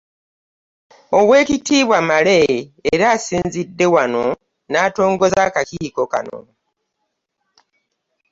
Oweeekitiibwa Male era asinzidde wano n'atongoza akakiiko Kano.